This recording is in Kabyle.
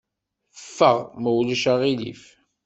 Ffeɣ, ma ulac aɣilif.